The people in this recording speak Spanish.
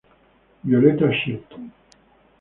Violetta Shelton.